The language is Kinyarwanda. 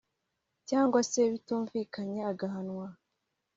cyangwa se bitumvikanye agahanwa